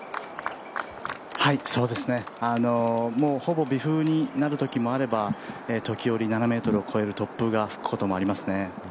そうですね、ほぼ微風になるときもあれば時折、７ｍを超える突風が吹くこともありますね。